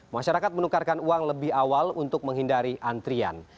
masyarakat menukarkan uang lebih awal untuk menghindari antrian